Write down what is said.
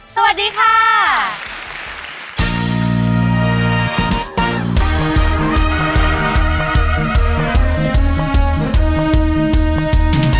สวัสดีค่ะ